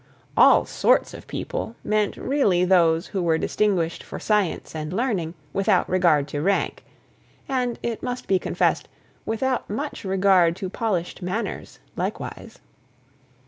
"All sorts of people" meant really those who were distinguished for science and learning, without regard to rank: and it must be confessed, without much regard to polished manners likewise.